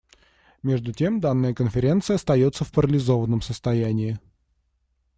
Между тем данная Конференция остается в парализованном состоянии.